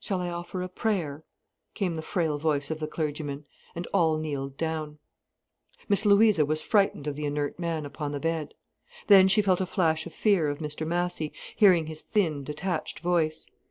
"Shall I offer a prayer?" came the frail voice of the clergyman, and all kneeled down. Miss Louisa was frightened of the inert man upon the bed. Then she felt a flash of fear of Mr Massy, hearing his thin, detached voice.